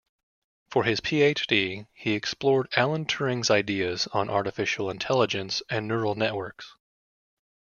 For his PhD, he explored Alan Turing's ideas on artificial intelligence and neural networks.